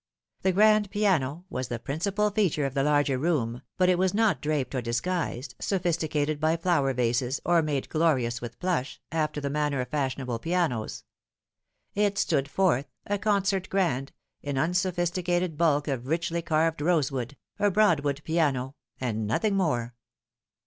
The grand piano was the principal feature of the larger room, but it was not draped or disguised, sophisticated by flower vases, or made glorious with plush, after the manner of fashionable pianos. It stood forth a concert grand, in unso phisticated bulk of richly carved rosewood, a Broad wood piano, and nothing more.